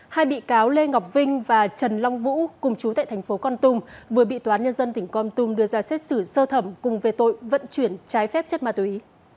hai bị cáo lê ngọc vinh và trần long vũ cùng chú tại thành phố con tum vừa bị toán nhân dân tỉnh con tum đưa ra xét xử sơ thẩm cùng về tội vận chuyển trái phép chất ma túy